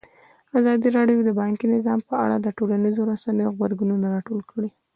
ازادي راډیو د بانکي نظام په اړه د ټولنیزو رسنیو غبرګونونه راټول کړي.